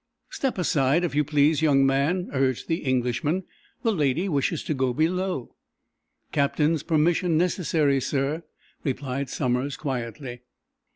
"Step aside, if you please, young man," urged the Englishman. "The lady wishes to go below." "Captain's permission necessary, sir," replied Somers, quietly.